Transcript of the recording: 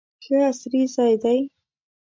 ښه عصري ځای دی.